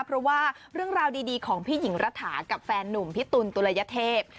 เพราะว่าเรื่องราวดีของพี่หญิงรัฐากับแฟนหนุ่มพี่ตุ๋นตุลยเทพ